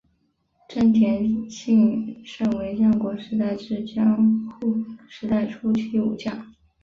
真田信胜为战国时代至江户时代初期武将。